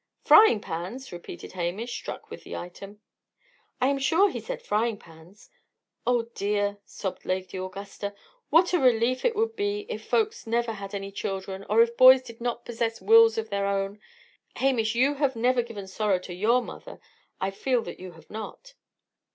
"Frying pans!" repeated Hamish, struck with the item. "I am sure he said frying pans. Oh dear!" sobbed Lady Augusta, "what a relief it would be if folks never had any children; or if boys did not possess wills of their own! Hamish, you have never given sorrow to your mother! I feel that you have not!"